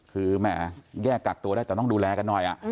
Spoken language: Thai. คือแหมแยกกักตัวได้แต่ต้องดูแลกันหน่อย